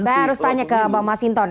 saya harus tanya ke bang masinton